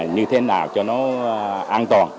như thế nào cho nó an toàn